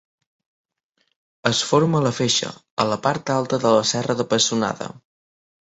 Es forma a la Feixa, a la part alta de la Serra de Pessonada.